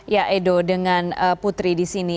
ya edo dengan putri di sini